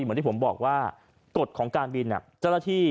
เหมือนที่ผมบอกว่ากฎของการบินเจ้าหน้าที่